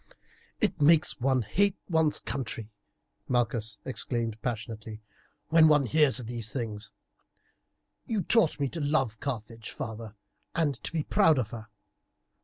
"It makes one hate one's country," Malchus exclaimed passionately, "when one hears of these things. You taught me to love Carthage, father, and to be proud of her.